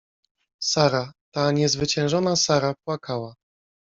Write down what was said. Sara — ta niezwyciężona Sara — płakała!